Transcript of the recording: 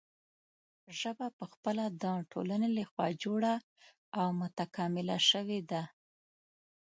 ژبه پخپله د ټولنې له خوا جوړه او متکامله شوې ده.